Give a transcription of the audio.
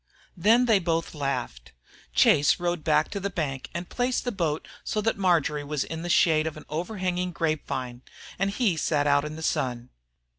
Then they both laughed. Chase rowed back to the bank and placed the boat so that Marjory was in the shade of an overhanging grape vine, and he sat out in the sun.